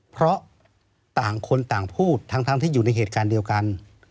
เพราะต่างคนต่างพูดทั้งที่อยู่ในเหตุการณ์เดียวกัน